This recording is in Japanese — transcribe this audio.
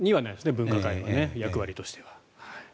分科会の役割として。